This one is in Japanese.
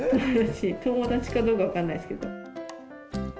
友達かどうか分かんないですけど。